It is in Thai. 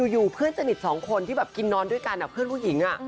อยู่เพื่อนสนิทสองคนที่แบบกินนอนด้วยกันเพื่อนผู้หญิง